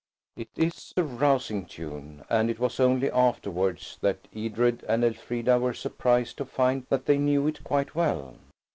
It is a rousing tune, and it was only afterwards that Edred and Elfrida were surprised to find that they knew it quite well.